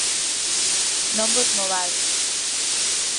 Non vos movades.